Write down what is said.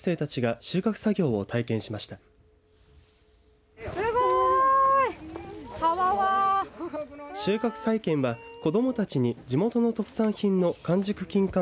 収穫体験は子どもたちに地元の特産品の完熟きんかん